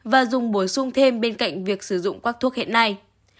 và dùng bổ sung thêm bên cạnh việc sử dụng các thuốc hiện nay